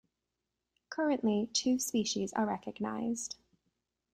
Currently, two species are recognized.